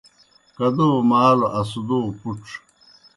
کدو مالوْ، اسدو پُڇ